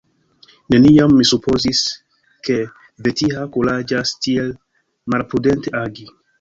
Neniam mi supozis, ke Vetiha kuraĝas tiel malprudente agi.